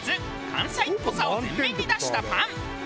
関西っぽさを前面に出したパン。